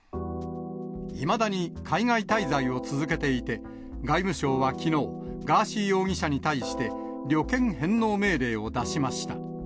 いまだに海外滞在を続けていて、外務省はきのう、ガーシー容疑者に対して、旅券返納命令を出しました。